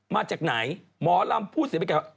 มาจากไหนหมอลำพูดเสียไปก่อน